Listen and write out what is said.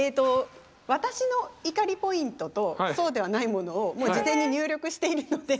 私の怒りポイントとそうではないものをもう事前に入力しているので。